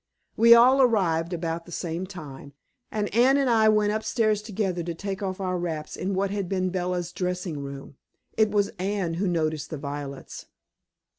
We all arrived about the same time, and Anne and I went upstairs together to take off our wraps in what had been Bella's dressing room. It was Anne who noticed the violets.